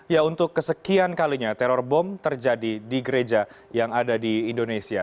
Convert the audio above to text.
ya untuk kesekian kalinya teror bom terjadi di gereja yang ada di indonesia